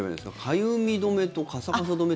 かゆみ止めとカサカサ止めって。